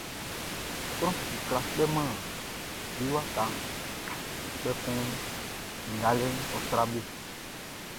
Sran fi kwlá kpɛman be wakaʼn, kpɛkun ngalɛʼn ɔ́ trá be.